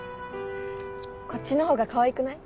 こっちのほうがかわいくない？